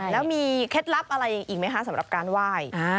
แล้วมีเคล็ดลับอะไรอีกไหมคะสำหรับการไหว้